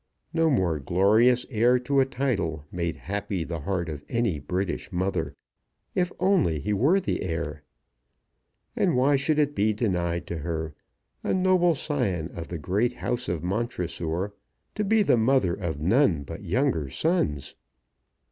No more glorious heir to a title made happy the heart of any British mother, if only he were the heir. And why should it be denied to her, a noble scion of the great House of Montressor, to be the mother of none but younger sons?